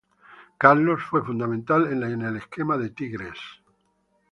Carlos fue fundamental en el esquema de Tigres.